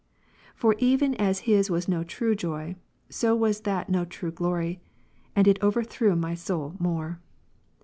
For even as his was no true joy, so was that no true glory: and it overthrew my soul more.